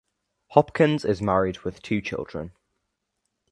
Hopkins is married with two children.